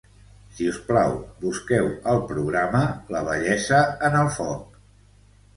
Si us plau, busqueu el programa "La bellesa en el foc".